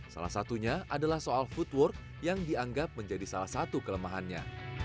salah satunya adalah soal footwork yang dianggap menjadi salah satu kelemahannya